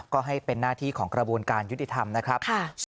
ก็ให้เป็นหน้าที่ของกระบวนการยุติธรรมนะครับ